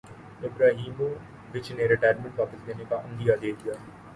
Ibrahimovic نے retirement واپس لینے کا عندیہ دیدیا